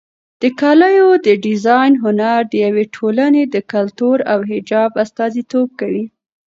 د کالیو د ډیزاین هنر د یوې ټولنې د کلتور او حجاب استازیتوب کوي.